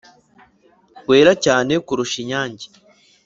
Wera cyane kurusha inyange